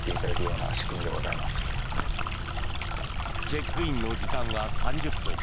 チェックインの時間は３０分